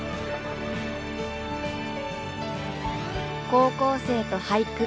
高校生と俳句。